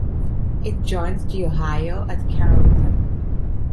It joins the Ohio at Carrollton.